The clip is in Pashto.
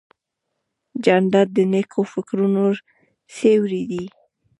جانداد د نیکو فکرونو سیوری دی.